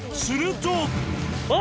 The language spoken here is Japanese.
［すると］